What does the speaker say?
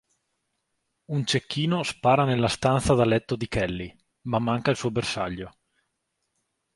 Un cecchino spara nella stanza da letto di Kelly, ma manca il suo bersaglio.